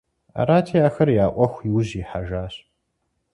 Арати, ахэр я Ӏуэху и ужь ихьэжащ.